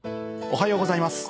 おはようございます。